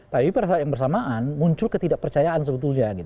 tapi pada saat yang bersamaan muncul ketidakpercayaan sebetulnya